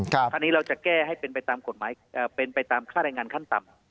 คราวนี้เราจะแก้ให้เป็นไปตามกฎหมายเป็นไปตามค่าแรงงานขั้นต่ำ